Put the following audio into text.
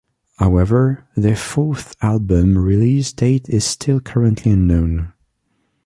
However, their fourth album release date is still currently unknown.